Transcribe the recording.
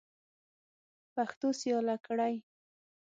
پښتو سیاله کړئ.